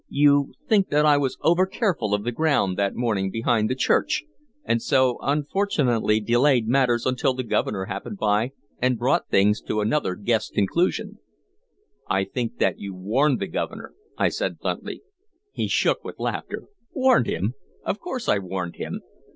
"You think that I was overcareful of the ground, that morning behind the church, and so unfortunately delayed matters until the Governor happened by and brought things to another guess conclusion." "I think that you warned the Governor," I said bluntly. He shook with laughter. "Warned him? Of course I warned him.